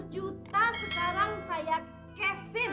seratus juta sekarang saya cash in